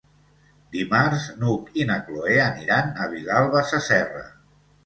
Dimarts n'Hug i na Cloè aniran a Vilalba Sasserra.